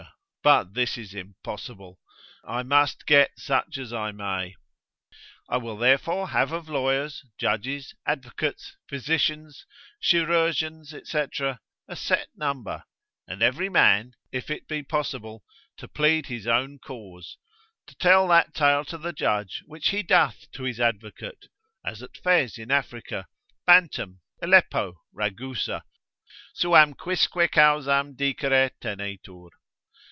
but this is impossible, I must get such as I may. I will therefore have of lawyers, judges, advocates, physicians, chirurgeons, &c., a set number, and every man, if it be possible, to plead his own cause, to tell that tale to the judge which he doth to his advocate, as at Fez in Africa, Bantam, Aleppo, Ragusa, suam quisque causam dicere tenetur.